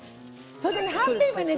それでねはんぺんはね